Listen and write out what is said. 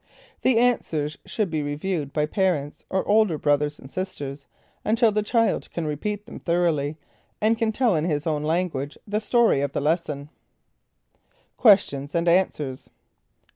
The answers should be reviewed by parents, or older brothers and sisters, until the child can repeat them thoroughly, and can tell in his own language, the story of the lesson. Questions and Answers.